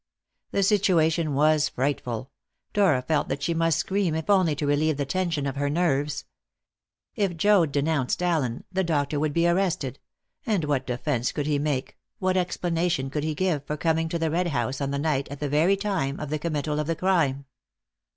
The situation was frightful. Dora felt that she must scream, if only to relieve the tension of her nerves. If Joad denounced Allen, the doctor would be arrested; and what defence could he make, what explanation could he give, for coming to the Red House on the night, at the very time, of the committal of the crime?